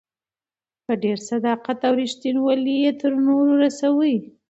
په ډېر صداقت او ريښتينوالۍ يې تر نورو رسوي.